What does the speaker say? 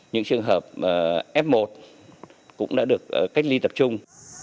những trường hợp f một cũng đã được cách ly tập trung